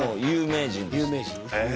有名人。